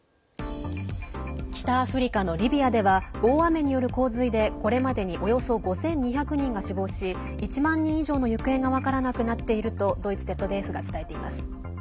北アフリカのリビアでは大雨による洪水でこれまでにおよそ５２００人が死亡し１万人以上の行方が分からなくなっているとドイツＺＤＦが伝えています。